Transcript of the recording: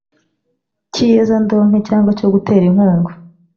cy iyezandonke cyangwa cyo gutera inkunga